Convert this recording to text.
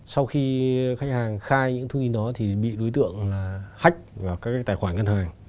sau khi khách hàng khai những thông tin đó thì bị đối tượng hách vào các tài khoản ngân hàng